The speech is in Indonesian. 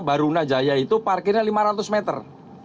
barunajaya itu parkirnya lima ratus meter